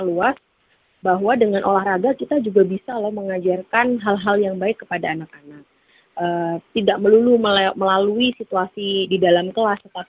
mungkin mbak jessica sebagai penutup ada yang ingin ditambahkan